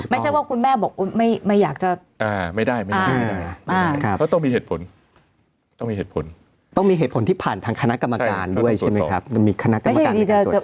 ไม่ใช่เป็นเพราะว่าคุณแม่กลัวเสียสลีระ